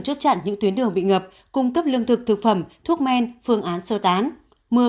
chốt chặn những tuyến đường bị ngập cung cấp lương thực thực phẩm thuốc men phương án sơ tán